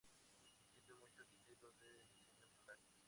Existen muchos estilos de diseño floral.